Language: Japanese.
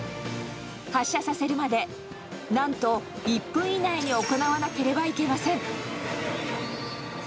発車させるまで、なんと１分以内に行わなければいけません。